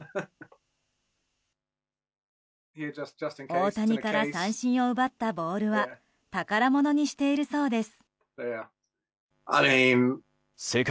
大谷から三振を奪ったボールは宝物にしているそうです。